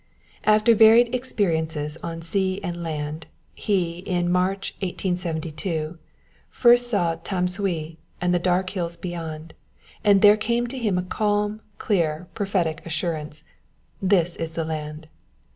After varied experiences on sea and land, he in March, 1872, first saw Tamsui and the dark green hills beyond, and there came to him a calm, clear, prophetic assurance—this is the land.